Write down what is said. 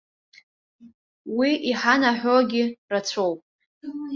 Уи иҳанаҳәогьы рацәоуп.